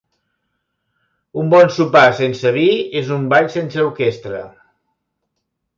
Un bon sopar sense vi és un ball sense orquestra.